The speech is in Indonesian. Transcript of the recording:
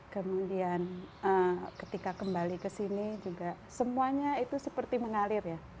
kemudian ketika kembali ke sini juga semuanya itu seperti mengalir ya